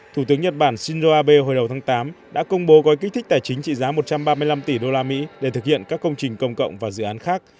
thủ tướng nhật bản shinzo abe hồi đầu tháng tám đã công bố gói kích thích tài chính trị giá một trăm ba mươi năm tỷ usd để thực hiện các công trình công cộng và dự án khác